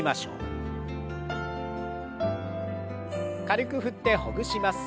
軽く振ってほぐします。